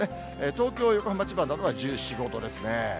東京、横浜、千葉などは１４、５度ですね。